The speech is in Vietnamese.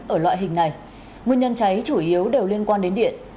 ở loại hình này nguyên nhân cháy chủ yếu đều liên quan đến điện